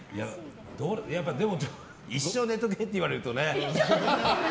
でも、一生寝とけって言われるとね。